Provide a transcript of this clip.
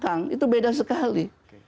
itu bangkang itu beda sekali